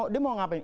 dia mau ngapain